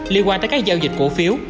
liên quan tới các giao dịch cổ phiếu